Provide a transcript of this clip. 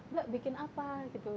mbak bikin apa gitu